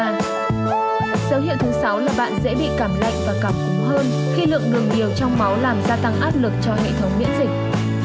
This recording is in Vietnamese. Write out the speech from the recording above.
dấu hiệu thứ sáu là bạn dễ bị cảm lạnh và cảm cúm hơn khi lượng đường nhiều trong máu làm gia tăng áp lực cho hệ thống miễn dịch